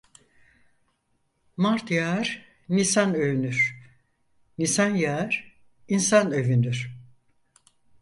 Mart yağar, nisan övünür; nisan yağar, insan övünür.